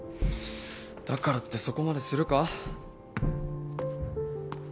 だからってそこまでするか？